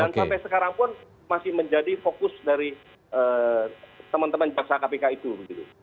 dan sampai sekarang pun masih menjadi fokus dari teman teman jaksa kpk itu begitu